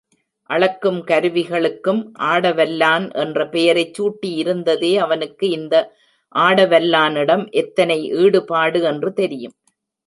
அளக்கும் கருவிகளுக்கும் ஆடவல்லான் என்ற பெயரைச் சூட்டியதிலிருந்தே அவனுக்கு இந்த ஆடவல்லானிடம் எத்தனை ஈடுபாடு என்று தெரியும்.